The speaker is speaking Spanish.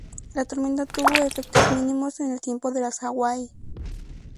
La tormenta tuvo efectos mínimos en el tiempo de las Hawái.